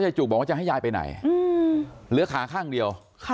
จุกบอกว่าจะให้ยายไปไหนเหลือขาข้างเดียว